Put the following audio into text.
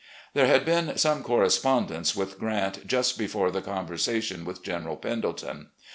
There had been some correspondence with Grant, just before the conversation with General Pendleton.